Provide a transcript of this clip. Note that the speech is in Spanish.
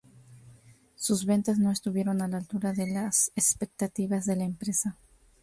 Sus ventas no estuvieron a la altura de las expectativas de la empresa.